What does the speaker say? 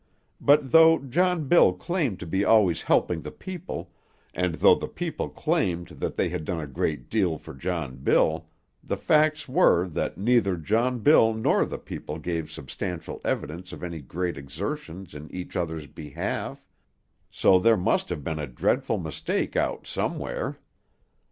But though John Bill claimed to be always helping the people, and though the people claimed that they had done a great deal for John Bill, the facts were that neither John Bill nor the people gave substantial evidence of any very great exertions in each other's behalf, so there must have been a dreadful mistake out somewhere.